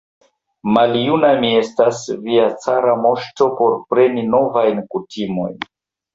Maljuna mi estas, via cara moŝto, por preni novajn kutimojn!